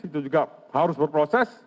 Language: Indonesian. itu juga harus berproses